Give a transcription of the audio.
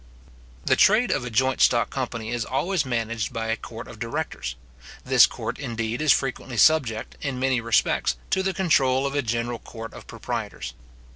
The trade of a joint stock company is always managed by a court of directors. This court, indeed, is frequently subject, in many respects, to the control of a general court of proprietors.